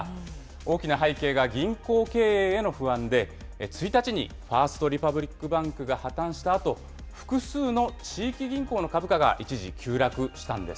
大きな背景が銀行経営への不安で、１日にファースト・リパブリック・バンクが破綻したあと、複数の地域銀行の株価が一時急落したんです。